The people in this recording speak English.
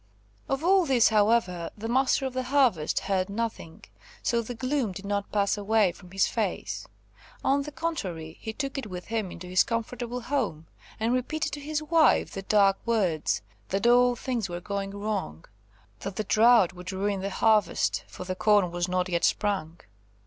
Of all this, however, the Master of the Harvest heard nothing, so the gloom did not pass away from his face. On the contrary, he took it with him into his comfortable home, and repeated to his wife the dark words, that all things were going wrong; that the drought would ruin the harvest, for the corn was not yet sprung.